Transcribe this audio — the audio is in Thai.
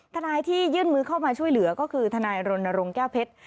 ทนายที่ยื่นมือเข้ามาช่วยเหลือก็คือทนายรณรงค์แก้วเพชร